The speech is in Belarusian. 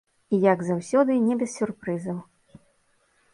І як заўсёды, не без сюрпрызаў.